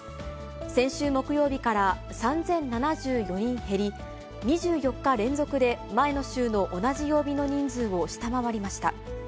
先週木曜日から３０７４人減り、２４日連続で前の週の同じ曜日の人数を下回りました。